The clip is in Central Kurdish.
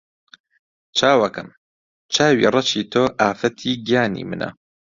چاوەکەم! چاوی ڕەشی تۆ ئافەتی گیانی منە